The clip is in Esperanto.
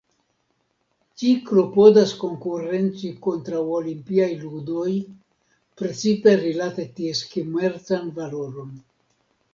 Ĝi klopodas konkurenci kontraŭ Olimpiaj Ludoj, precipe rilate ties komercan valoron.